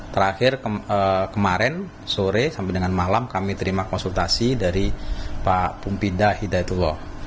terakhir kemarin sore sampai dengan malam kami terima konsultasi dari pak pumpinda hidayatullah